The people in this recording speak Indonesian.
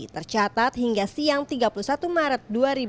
tercatat hingga siang tiga puluh satu maret dua ribu dua puluh